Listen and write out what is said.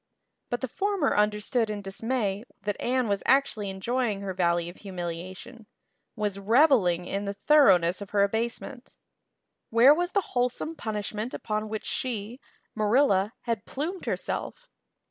But the former under stood in dismay that Anne was actually enjoying her valley of humiliation was reveling in the thoroughness of her abasement. Where was the wholesome punishment upon which she, Marilla, had plumed herself?